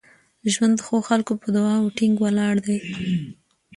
ژوند د ښو خلکو په دعاوو ټینګ ولاړ وي.